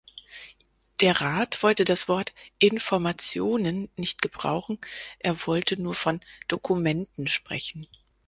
Der Rat wollte das Wort "Informationen" nicht gebrauchen er wollte nur von "Dokumenten" sprechen.